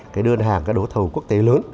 cái đơn hàng cái đố tàu quốc tế lớn